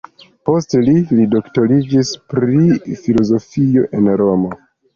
Poste li li doktoriĝis pri filozofio en Romo.